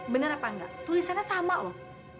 benar apa enggak tulisannya sama loh